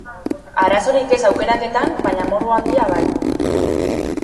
Arazorik ez aukeraketan, baina morbo handia bai.